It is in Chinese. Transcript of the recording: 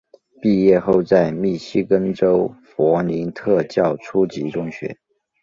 毕业后在密西根州弗林特教初级中学。